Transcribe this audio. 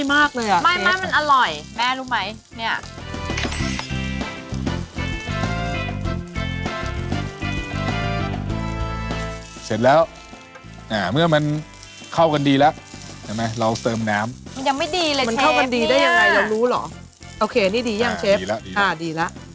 มันยังไม่ดีเลยเชฟมันเข้ากันดีได้ยังไงเรารู้เหรอโอเคนี่ดียังเชฟอ่าดีแล้วอ่าดีแล้ว